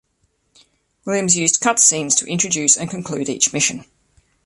Williams used cut scenes to introduce and conclude each mission.